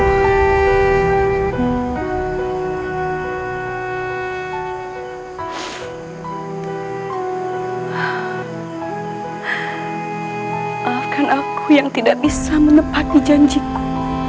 maafkan aku yang tidak bisa menepati janjiku